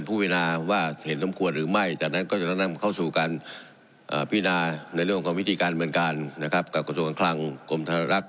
พี่นาในเรื่องของวิธีการเมืองการนะครับกับกระทรวงกันคลังกรมธรรมรักษ์